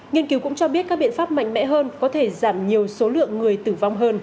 nghiên cứu cũng cho biết các biện pháp mạnh mẽ hơn có thể giảm nhiều số lượng người tử vong hơn